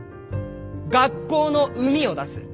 学校のうみを出す。